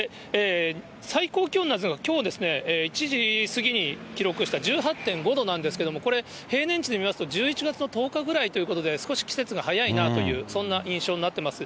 最高気温なんですが、きょう１時過ぎに記録した１８．５度なんですけれども、これ、平年値で見ますと、１１月の１０日ぐらいということで、少し季節が早いなという、そんな印象になってます。